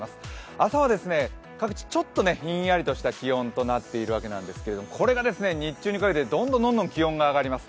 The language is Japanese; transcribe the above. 朝は各地ちょっとひんやりとした気温となっているわけなんですけれども、これが日中にかけてどんどん気温が上がります。